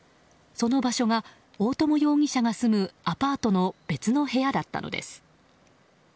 その場所が大友容疑者が住むアパートの別の部屋だったのです。